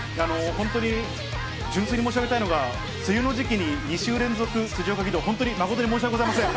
本当に純粋に申し上げたいのが、梅雨の時期に２週連続で辻岡義堂、誠に申し訳ありません。